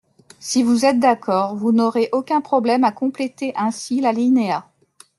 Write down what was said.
Si vous êtes d’accord, vous n’aurez aucun problème à compléter ainsi l’alinéa.